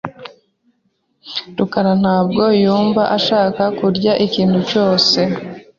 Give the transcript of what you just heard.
rukara ntabwo yumva ashaka kurya ikintu cyose .